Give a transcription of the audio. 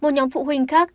một nhóm phụ huynh khác